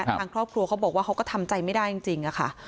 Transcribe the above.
ทางครอบครัวเขาบอกว่าเขาก็ทำใจไม่ได้จริงค่ะ